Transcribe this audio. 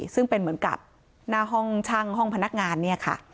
ซึ่งเป็นเหมือนกับหน้าห้องช่างห้องพนักงานเนี่ยค่ะ